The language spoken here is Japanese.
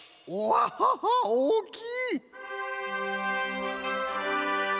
ワッハハおおきい！